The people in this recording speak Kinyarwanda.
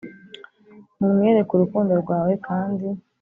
mumwereke urukundo rwawe kandi